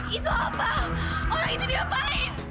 itu apa orang itu diapain